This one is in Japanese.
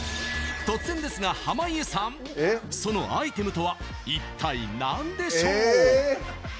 突然ですが濱家さんそのアイテムとは一体何でしょう？え！